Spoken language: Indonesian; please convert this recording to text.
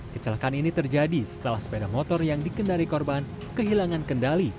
kecelakaan ini terjadi setelah sepeda motor yang dikendari korban kehilangan kendali